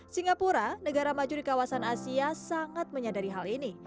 singapura negara maju di kawasan asia sangat menyadari hal ini